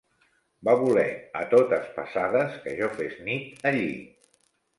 Va voler a totes passades que jo fes nit allí.